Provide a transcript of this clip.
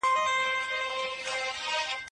نه مي له شمعي سره شپه سوه، نه مېلې د ګلو